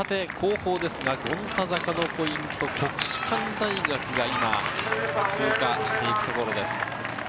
後方ですが、権太坂のポイント、国士舘大学が今、通過していくところです。